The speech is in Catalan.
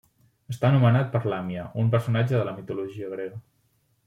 Està nomenat per Làmia, un personatge de la mitologia grega.